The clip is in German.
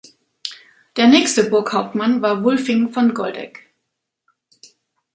Der nächste Burghauptmann war Wulfing von Goldegg.